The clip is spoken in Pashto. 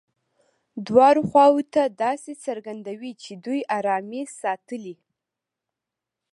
دواړو خواوو ته داسې څرګندوي چې دوی ارامي ساتلې.